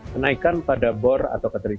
kenaikan pada bor atau keterisian